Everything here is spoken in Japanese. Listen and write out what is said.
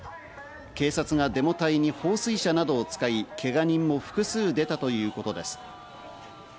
警察がデモ隊に放水車などを使い、けが人も複数出たということです。